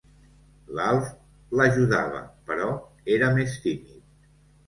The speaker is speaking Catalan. L'Alf l'ajudava, però era més tímid.